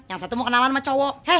yang satu mau kenalan sama cowok